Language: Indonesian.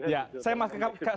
jadi enggak ada itu